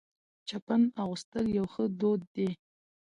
چپن اغوستل یو ښه دود دی.